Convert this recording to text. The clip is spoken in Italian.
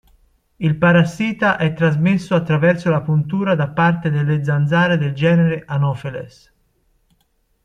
Il parassita è trasmesso attraverso la puntura da parte delle zanzare del genere "Anopheles".